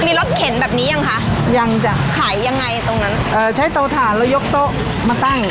มีรถเข็นแบบนี้ยังคะยังจ้ะขายยังไงตรงนั้นเอ่อใช้เตาถ่านแล้วยกโต๊ะมาตั้ง